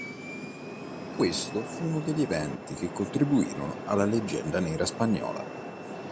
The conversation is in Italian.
Questo fu uno degli eventi che contribuirono alla Leggenda nera spagnola.